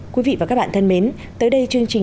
quý vị và các bạn thân mến tới đây chương trình